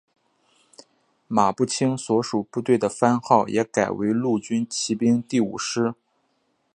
马步青所属部队的番号也改为陆军骑兵第五师。